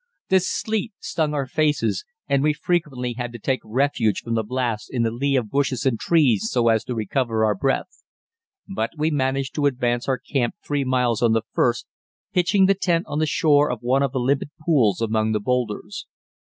The sleet stung our faces, and we frequently had to take refuge from the blasts in the lee of bushes and trees so as to recover our breath; but we managed to advance our camp three miles on the first, pitching the tent on the shore of one of the limpid ponds among the boulders.